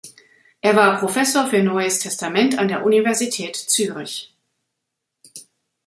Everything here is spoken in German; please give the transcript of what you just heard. Er war Professor für Neues Testament an der Universität Zürich.